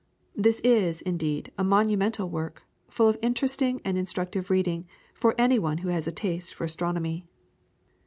This is, indeed, a monumental work, full of interesting and instructive reading for any one who has a taste for astronomy.